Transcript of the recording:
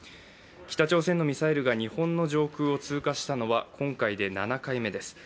北朝鮮のミサイルが日本の上空を通過したのは今回で７回目です。